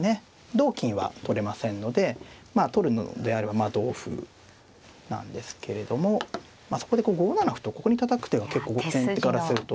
同金は取れませんので取るのであれば同歩なんですけれどもそこで５七歩とここにたたく手が結構先手からすると。